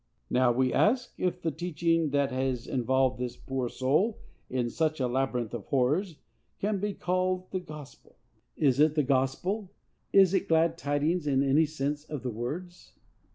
Now, we ask, if the teaching that has involved this poor soul in such a labyrinth of horrors can be called the gospel? Is it the gospel,—is it glad tidings in any sense of the words?